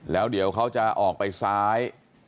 แล้วเดี๋ยวเขาจะออกไปซ้าย